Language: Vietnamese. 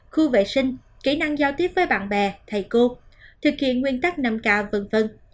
khu vệ sinh kỹ năng giao tiếp với bạn bè thầy cô thực hiện nguyên tắc năm k v v